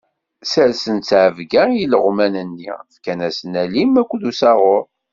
Sersen ttɛebga i ileɣman-nni, fkan-asen alim akked usaɣur.